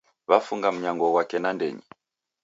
Wafunga mnyango ghwake nandenyi